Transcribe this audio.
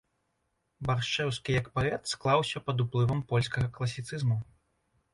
Баршчэўскі як паэт склаўся пад уплывам польскага класіцызму.